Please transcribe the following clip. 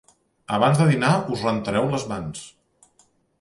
Abans de dinar us rentareu les mans.